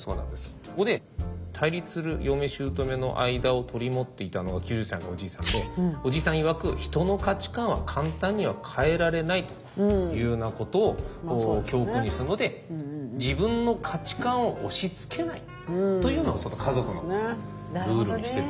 ここで対立する嫁しゅうとめの間を取り持っていたのが９０歳のおじいさんでおじいさんいわく「人の価値観は簡単には変えられない」というようなことを教訓にしたので自分の価値観を押しつけないというのを家族のルールにしているという。